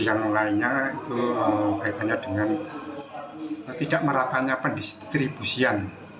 yang lainnya itu baik baiknya dengan tidak merapanya pendistribusian